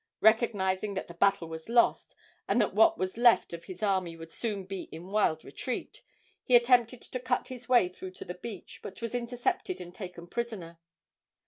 Recognizing that the battle was lost, and that what was left of his army would soon be in wild retreat, he attempted to cut his way through to the beach, but was intercepted and taken prisoner.